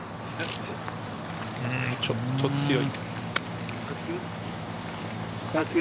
ちょっと強い。